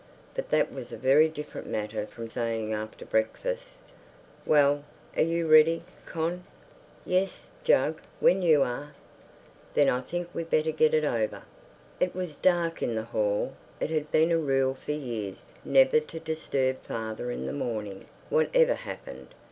_" But that was a very different matter from saying after breakfast: "Well, are you ready, Con?" "Yes, Jug—when you are." "Then I think we'd better get it over." It was dark in the hall. It had been a rule for years never to disturb father in the morning, whatever happened.